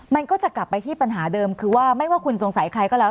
มันก็จะกลับไปที่ปัญหาเดิมคือว่าไม่ว่าคุณสงสัยใครก็แล้ว